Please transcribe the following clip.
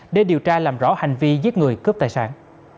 để điều tra làm rõ hành vi giết người cướp tài sản